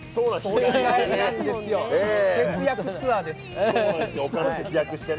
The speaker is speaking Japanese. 日帰りなんですよ、節約ツアーです。